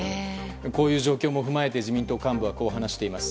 こういう状況も踏まえて自民党幹部はこう話しています。